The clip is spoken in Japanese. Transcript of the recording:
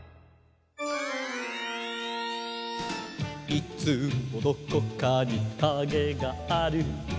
「いつもどこかにカゲがある」